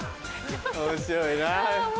面白いな。